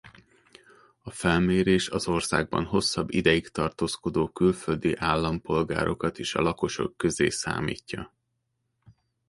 A felmérés az országban hosszabb ideig tartózkodó külföldi állampolgárokat is a lakosok közé számítja.